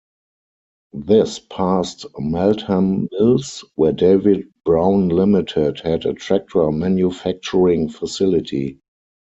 This passed Meltham Mills, where David Brown Limited had a tractor manufacturing facility.